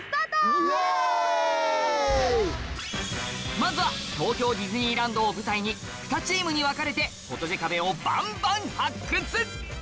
まずは東京ディズニーランドを舞台に２チームに分かれてフォトジェ壁をバンバン発掘！